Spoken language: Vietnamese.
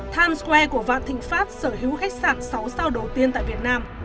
times square của vạn thịnh pháp sở hữu khách sạn sáu sao đầu tiên tại việt nam